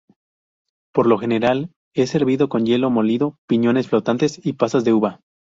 Por lo general es servido con hielo molido, piñones flotantes y pasas de uva.